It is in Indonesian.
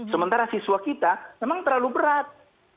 sementara siswa kita memang terlalu berat